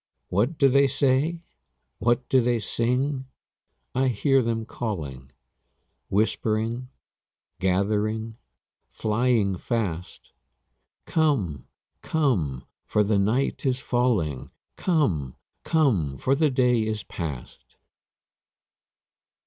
What do they say? What do they sing? I hear them calling, Whispering, gathering, flying fast, 'Come, come, for the night is falling; Come, come, for the day is past!'